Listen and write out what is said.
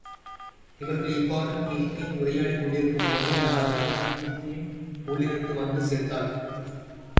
இவர்கள் இவ்வாறு இங்கே உரையாடிக் கொண்டிருக்கும்போது நருமதையும் உள்ளிருந்து வந்து சேர்ந்தாள்.